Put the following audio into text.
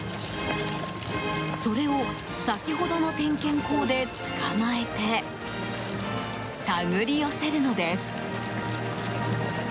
それを先ほどの点検口でつかまえて手繰り寄せるのです。